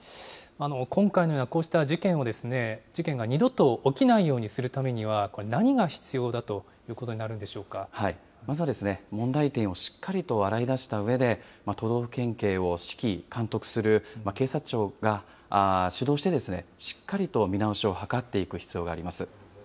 今回のようなこうした事件が二度と起きないようにするためには、これ、何が必要だということまずは問題点をしっかりと洗いだしたうえで、都道府県警を指揮監督する警察庁が主導して、しっかりと見直しを図っていく必要があります。